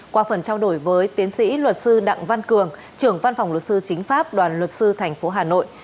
qua phần trao đổi với tiến sĩ luật sư đặng văn cường trưởng văn phòng luật sư chính pháp đoàn luật sư tp hà nội